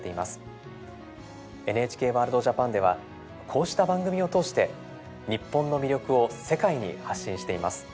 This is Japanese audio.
「ＮＨＫワールドＪＡＰＡＮ」ではこうした番組を通して日本の魅力を世界に発信しています。